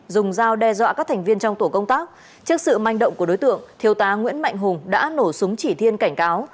dùng dao đe dọa các thành viên trong tổ công tác trước sự manh động của đối tượng thiếu tá nguyễn mạnh hùng đã nổ súng chỉ thiên cảnh cáo